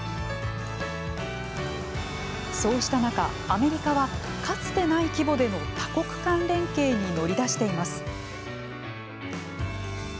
そうした中、アメリカはかつてない規模での多国間連携に乗り出しています。